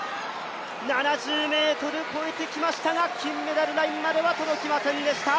７０ｍ、越えてきましたが金メダルラインまでは届きませんでした。